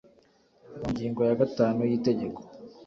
mu ngingo ya gatanu y Itegeko